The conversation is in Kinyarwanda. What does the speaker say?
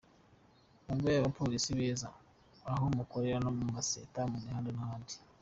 Mube abapolisi beza aho mukorera ku maseta, mu mihanda n’ahandi.